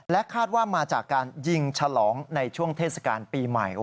คาดว่ามาจากการยิงฉลองในช่วงเทศกาลปีใหม่